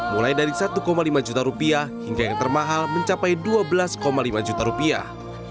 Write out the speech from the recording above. mulai dari satu lima juta rupiah hingga yang termahal mencapai dua belas lima juta rupiah